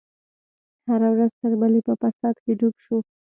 هره ورځ تر بلې په فساد کې ډوب شو.